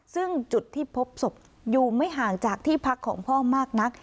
ซึ่งจุดที่พบศพอยู่ไม่ห่างจากที่พักของพ่อมากนัก